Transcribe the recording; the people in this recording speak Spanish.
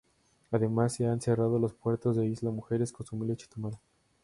Además se han cerrado los puertos de Isla Mujeres, Cozumel y Chetumal.